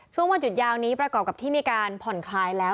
วันหยุดยาวนี้ประกอบกับที่มีการผ่อนคลายแล้ว